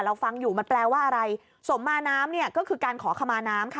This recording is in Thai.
ฟังอยู่มันแปลว่าอะไรสมมาน้ำเนี่ยก็คือการขอขมาน้ำค่ะ